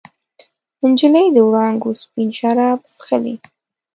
نجلۍ د وړانګو سپین شراب چښلي